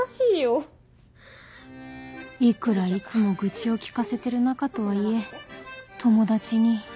いくらいつも愚痴を聞かせてる仲とはいえ友達に